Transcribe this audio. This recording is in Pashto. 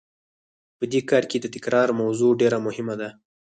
په دې کار کې د تکرار موضوع ډېره مهمه ده.